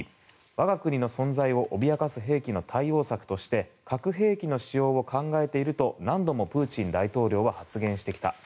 我が国の存在を脅かす兵器の対応策として核兵器の使用を考えていると何度もプーチン大統領は発言してきた。